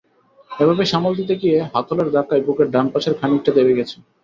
এভাবে সামাল দিতে গিয়ে হাতলের ধাক্কায় বুকের ডান পাশের খানিকটা দেবে গেছে।